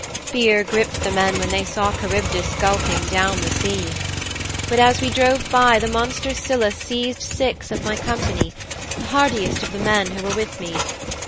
Fear gripped the men when they saw Charybdis gulping down the sea. But as we drove by, the monster Scylla seized six of my company the hardiest of the men who were with me.